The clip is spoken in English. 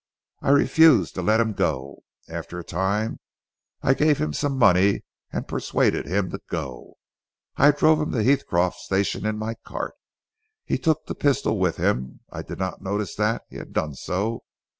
I refused to let him go. After a time I gave him some money and persuaded him to go. I drove him to Heathcroft station in my cart. He took the pistol with him. I did not notice that he had done so.